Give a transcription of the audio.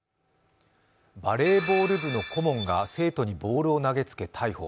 バレーボール部の顧問が生徒にボールを投げつけ逮捕。